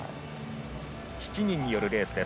７人によるレースです